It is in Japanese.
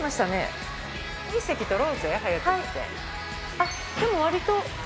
あっでもわりと。